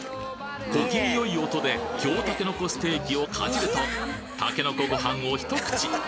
小気味よい音で京たけのこステーキをかじるとたけのこ御飯を一口！